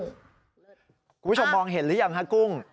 คุณผู้ชมมองเห็นหรือยังฮะกุ้ง